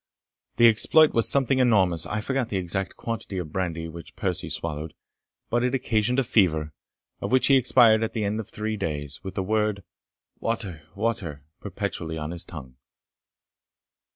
The exploit was something enormous. I forget the exact quantity of brandy which Percie swallowed, but it occasioned a fever, of which he expired at the end of three days, with the word, water, water, perpetually on his tongue.